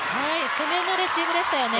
攻めのレシーブでしたよね。